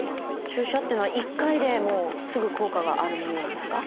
注射っていうのは１回でもうすぐ効果があるものなんですか？